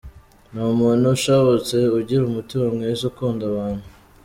Ni umuntu ushabutse ugira umutima mwiza, ukunda abantu.